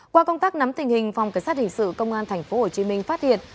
qua công tác nắm tình hình phòng cảnh sát hình sự công an tp hcm phát hiện